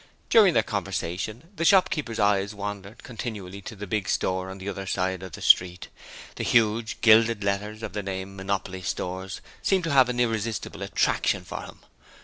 During their conversation the shopkeeper's eyes wandered continually to the big store on the other side of the street; the huge, gilded letters of the name 'Monopole Stores' seemed to have an irresistible attraction for him.